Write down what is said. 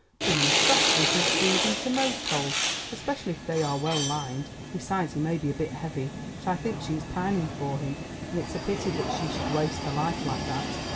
Women are soft, and can squeeze into most holes, especially if they are well lined. Besides, he may be a bit heavy, but I think she is pining for him, and it's a pity that she should waste her life like that.